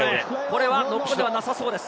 これはノックオンではなさそうです。